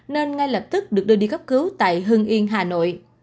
nên ngay lập tức được đưa đi cấp cứu tại hưng yên hà nội